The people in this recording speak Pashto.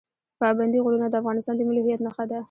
پابندی غرونه د افغانستان د ملي هویت نښه ده.